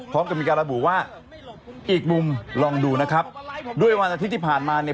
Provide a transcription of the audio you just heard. พร้อมกับมีการระบุว่าอีกมุมลองดูนะครับด้วยวันอาทิตย์ที่ผ่านมาเนี่ย